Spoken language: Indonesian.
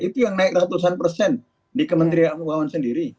itu yang naik ratusan persen di kementerian keuangan sendiri